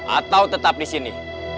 atau tetap disini